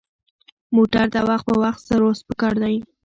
موټر ته وخت په وخت سروس پکار دی.